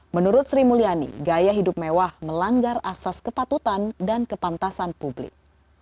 menurut sri mulyani gaya hidup mewah melanggar asas kepatutan dan kepantasan publik